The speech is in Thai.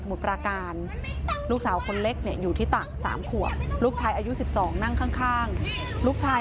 เมื่อกี๊จะยอนจอคนนี้ตาย